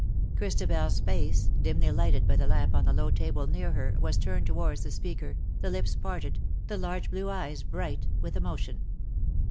ChristabeFs face, dimly lighted by the lamp on the low table near her, was turned towards the speaker, the lips parted, the large blue eyes bright with emotion.